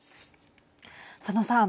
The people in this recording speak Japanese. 佐野さん。